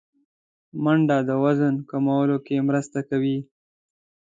منډه د وزن کمولو کې مرسته کوي